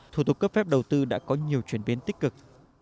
thủ tục cấp phép đầu tư đã có nhiều chuyển biến tích cực